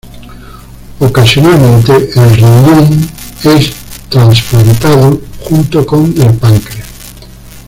Ocasionalmente, el riñón es trasplantado junto con el páncreas.